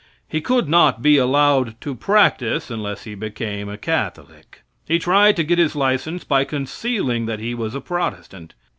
He could not be allowed to practice unless he became a Catholic. He tried to get his license by concealing that he was a Protestant.